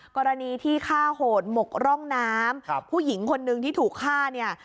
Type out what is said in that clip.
กรณีที่ฆ่าโหดหมกร่องน้ำผู้หญิงคนนึงที่ถูกฆ่าเนี่ย